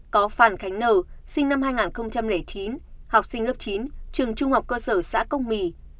có phản khánh n sinh năm hai nghìn chín học sinh lớp chín trường trung học cơ sở xã cốc mì